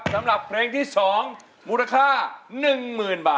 แต่ว่าในสตูรทั้งหมด